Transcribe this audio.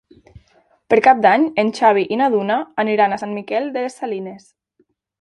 Per Cap d'Any en Xavi i na Duna aniran a Sant Miquel de les Salines.